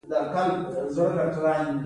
ولي بايد حيوانات وساتو؟